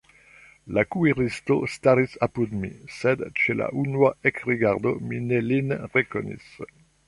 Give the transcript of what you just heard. La kuiristo staris apud mi, sed ĉe la unua ekrigardo mi ne lin rekonis.